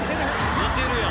似てるやん！